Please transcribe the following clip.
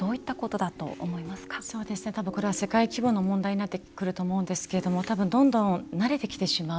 多分これは世界規模の問題になってくると思うんですけれども多分どんどん慣れてきてしまう。